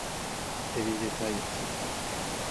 海老で鯛を釣る